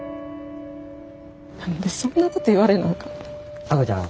何でそんなこと言われなあかんねん。